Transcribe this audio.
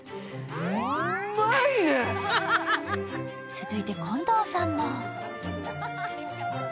続いて近藤さんも。